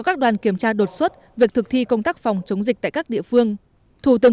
các đoàn kiểm tra đột xuất việc thực thi công tác phòng chống dịch tại các địa phương thủ tướng